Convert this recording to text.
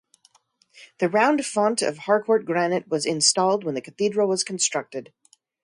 The round font of Harcourt granite was installed when the cathedral was constructed.